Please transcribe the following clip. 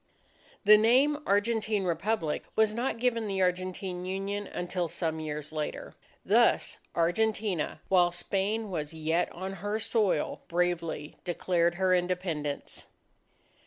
The name "Argentine Republic" was not given the Argentine Union until some years later. Thus, Argentina, while Spain was yet on her soil, bravely declared her Independence.